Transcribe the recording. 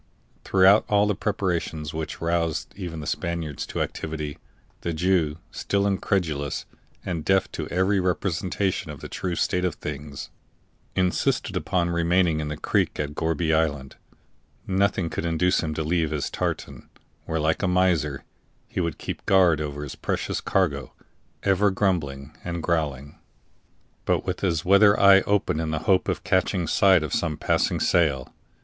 Throughout all the preparations which roused even the Spaniards to activity, the Jew, still incredulous and deaf to every representation of the true state of things, insisted upon remaining in the creek at Gourbi Island; nothing could induce him to leave his tartan, where, like a miser, he would keep guard over his precious cargo, ever grumbling and growling, but with his weather eye open in the hope of catching sight of some passing sail.